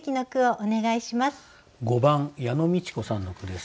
５番矢野美智子さんの句です。